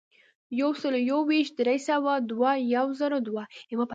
یو سلو یو ویشت ، درې سوه دوه ، یو زرو دوه.